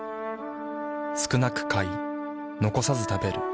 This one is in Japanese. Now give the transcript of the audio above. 少なく買い残さず食べる。